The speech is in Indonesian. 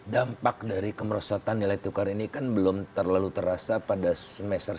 dampak dari kemerosotan nilai tukar ini kan belum terlalu terasa pada semester satu